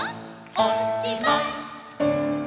「おしまい」